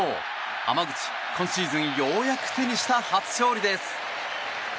濱口、今シーズンようやく手にした初勝利です。